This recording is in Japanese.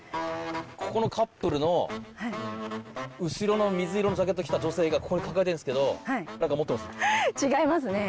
ここのカップルの後ろの水色のジャケット着た女性がここに抱えてるんですけど違いますね。